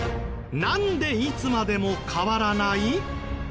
なんでいつまでも変わらない？